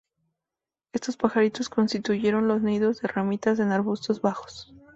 Estos pájaros construyen los nidos de ramitas en arbustos bajos.